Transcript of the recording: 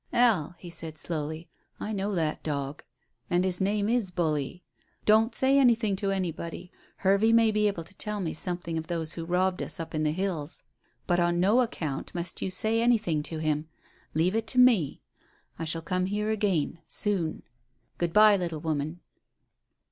"Al," he said slowly, "I know that dog. And his name is Bully. Don't say anything to anybody. Hervey may be able to tell me something of those who robbed us up in the hills. But on no account must you say anything to him; leave it to me. I shall come here again soon. Good bye, little woman."